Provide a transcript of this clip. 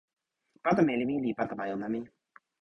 pata meli mi li pata majuna mi.